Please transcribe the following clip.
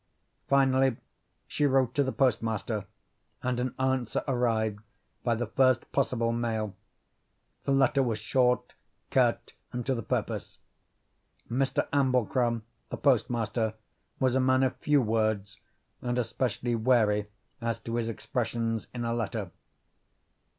Finally she wrote to the postmaster, and an answer arrived by the first possible mail. The letter was short, curt, and to the purpose. Mr. Amblecrom, the postmaster, was a man of few words, and especially wary as to his expressions in a letter.